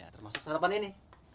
termasuk sarapan ini